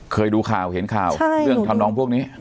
เคยดูข่าวเห็นข่าวเรื่องทางน้องพวกนี้นางก็นั่ว๖๔